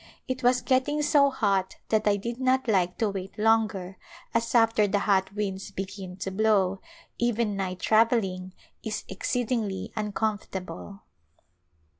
It was getting so hot that I did not like to wait longer as after the hot winds begin to blow even night travelling is exceedingly uncomfort able.